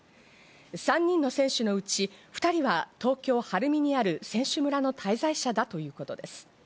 ３人の選手のうち２人は東京・晴海にある選手村の滞在者だということです。